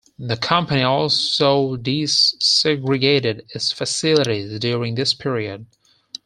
The company also desegregated its facilities during this period.